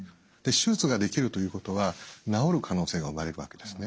手術ができるということは治る可能性が生まれるわけですね。